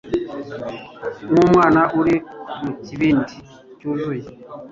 Nkumwana uri mukibindi cyuzuye